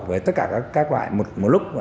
về tất cả các loại một lúc